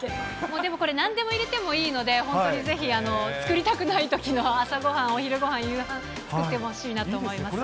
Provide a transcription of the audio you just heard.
でもこれなんでも入れてもいいので、本当にぜひ作りたくないときの朝ごはん、お昼ごはん、夕飯、作ってほしいなと思いますね。